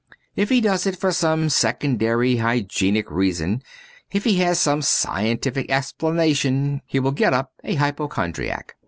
If he does it for some secondary hygienic reason, if he has some scientific explanation, he may get up a hypochondriac.